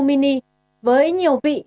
mini với nhiều vị